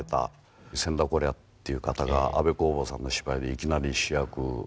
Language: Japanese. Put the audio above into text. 千田是也っていう方が安部公房さんの芝居でいきなり主役